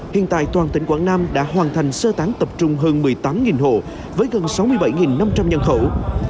hiện tại toàn tỉnh quảng nam đã hoàn thành sơ tán tập trung hơn một mươi tám hộ với gần sáu mươi bảy năm trăm linh nhân khẩu